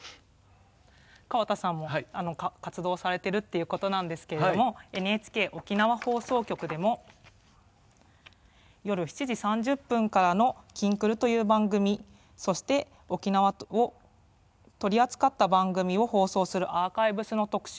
川田さんも活動されているっていうことなんですがＮＨＫ沖縄放送局でも夜７時３０分からの「きんくる」という番組そして、沖縄を取り扱った番組を放送するアーカイブスの特集。